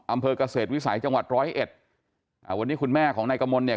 อำเภอกเกษตรวิสัยจังหวัดร้อยเอ็ดอ่าวันนี้คุณแม่ของนายกมลเนี่ย